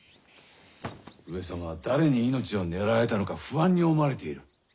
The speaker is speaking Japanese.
上様は誰に命を狙われたのか不安に思われている。